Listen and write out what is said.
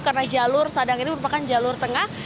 karena jalur sadang ini merupakan jalur tengah